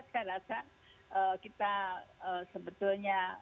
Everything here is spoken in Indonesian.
saya rasa kita sebetulnya